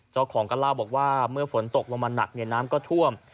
เจ้าของก็เล่าบอกว่าเมื่อฝนตกลงมาหนักน้ำก็ท่วม